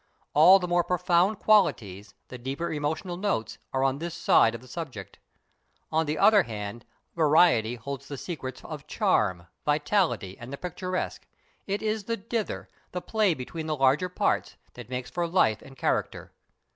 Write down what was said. All the more profound qualities, the deeper emotional notes, are on this side of the subject. On the other hand, variety holds the secrets of charm, vitality, and the picturesque, it is the "dither," the play between the larger parts, that makes for life and character.